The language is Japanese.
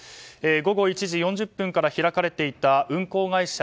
午後１時４０分から開かれていた運航会社